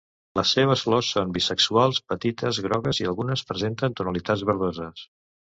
Les seves flors són bisexuals, petites, grogues i algunes presenten tonalitats verdoses.